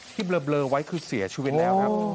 เบลอไว้คือเสียชีวิตแล้วครับ